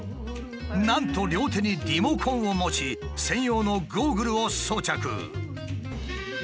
なんと両手にリモコンを持ち専用のゴーグルを装着。